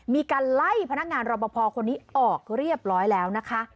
มีการไล่พนักงานรอปภคนนี้ออกเรียบร้อยแล้วนะคะ